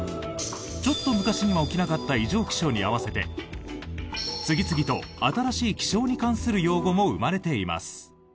ちょっと昔には起きなかった異常気象に合わせて次々と新しい気象に関する用語も生まれています。